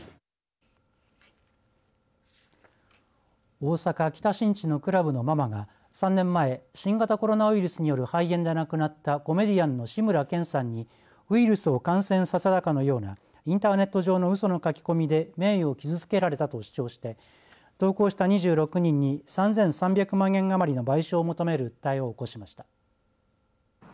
大阪北新地のクラブのママが３年前、新型コロナウイルスによる肺炎で亡くなったコメディアンの志村けんさんにウイルスを感染させたかのようなインターネット上のうその書き込みで名誉を傷つけられたと主張して投稿した２６人に３３００万円余りの賠償を求める訴えを起こしました。